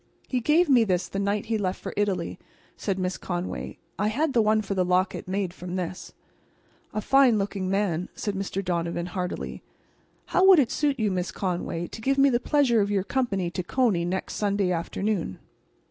"He gave me this the night he left for Italy," said Miss Conway. "I had the one for the locket made from this." "A fine looking man," said Mr. Donovan, heartily. "How would it suit you, Miss Conway, to give me the pleasure of your company to Coney next Sunday afternoon?"